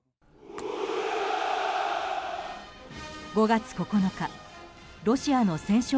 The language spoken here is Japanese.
５月９日ロシアの戦勝